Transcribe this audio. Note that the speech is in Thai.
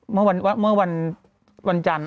เมื่อวันจันทร์